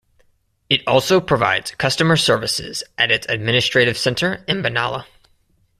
It also provides customer services at its administrative centre in Benalla.